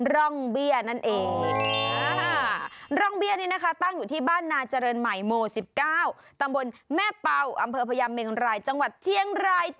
ร่องเบี้ยนั่นเอง